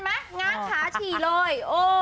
เห็นไหมงั้งหาฉี่เลย